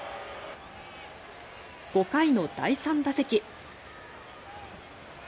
５回の第３打席。